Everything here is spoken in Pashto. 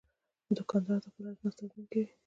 دوکاندار د خپلو اجناسو تضمین کوي.